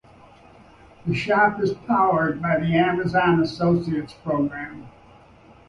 The shop is powered by the Amazon Associates program.